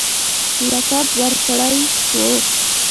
لقب ورکړی وو.